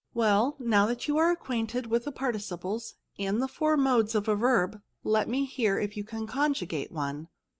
Well, now that you are acquainted with the participles and the four modes of a verb, let me hear if you can conjugate one."